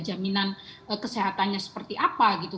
jaminan kesehatannya seperti apa gitu